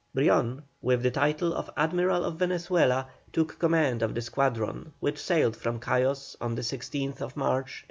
Brion, with the title of Admiral of Venezuela, took command of the squadron, which sailed from Cayos on the 16th March, 1816.